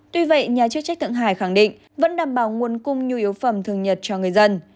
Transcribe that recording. tuy vậy nhà chức trách thượng hải khẳng định vẫn đảm bảo nguồn cung nhu yếu phẩm thường nhật cho người dân